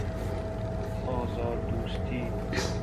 آزاردوستی